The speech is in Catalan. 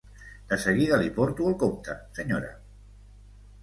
De seguida li porto el compte, senyora.